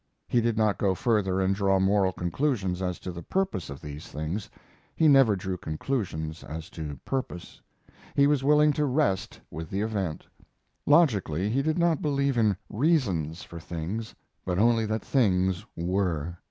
He did not go further and draw moral conclusions as to the purpose of these things: he never drew conclusions as to purpose. He was willing to rest with the event. Logically he did not believe in reasons for things, but only that things were.